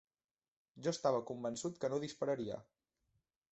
Jo estava convençut que no dispararia